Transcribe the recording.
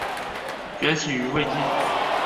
崛起于魏晋。